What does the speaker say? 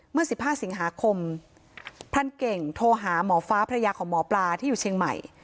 เมื่อ๑๕สิงหาคมพรานเก่งโทรหาหมอฟ้าพระยาของหมอปลาที่อยู่เชียงใหม่